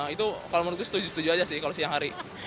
itu kalau menurutku setuju setuju aja sih kalau siang hari